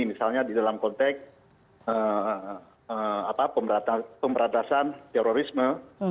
misalnya di dalam konteks pemberantasan terorisme